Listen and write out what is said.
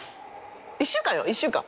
一週間よ一週間。